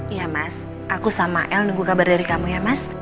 iya mas aku sama l nunggu kabar dari kamu ya mas